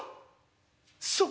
そうか」。